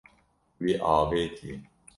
Wî avêtiye.